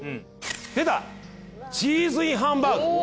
出たチーズインハンバーグ。